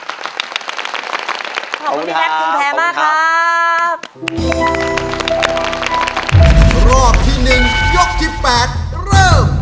ขอบคุณครับขอบคุณครับขอบคุณครับขอบคุณครับขอบคุณครับขอบคุณครับขอบคุณครับ